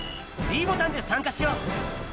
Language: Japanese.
ｄボタンで参加しよう。